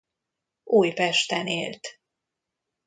Újpesten élt.